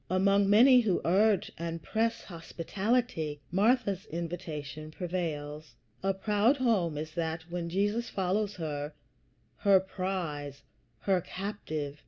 Among many who urge and press hospitality, Martha's invitation prevails. A proud home is that, when Jesus follows her her prize, her captive.